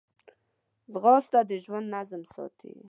ځغاسته د ژوند نظم ساتي